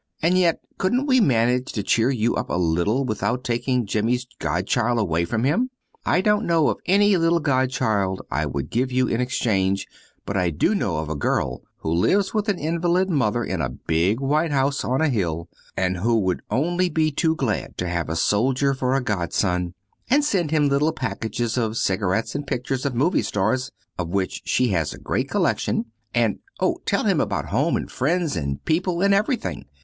And yet couldn't we manage to cheer you up a little without taking Jimmy's godchild away from him? I don't know of any little godchild I could give you in exchange, but I do know of a girl who lives with an invalid mother in a big white house on a hill, and who would only be too glad to have a soldier for a godson and send him little packages of cigarettes, and pictures of movie stars (of which she has a great collection) and oh tell him about home and friends and people and everything.